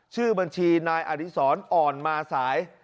ชื่อบัญชีนายอดีศรอ่อนมาสาย